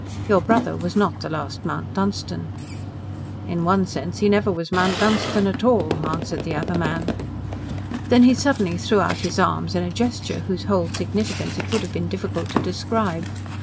Your brother was not the last Mount Dunstan." "In one sense he never was Mount Dunstan at all," answered the other man. Then he suddenly threw out his arms in a gesture whose whole significance it would have been difficult to describe.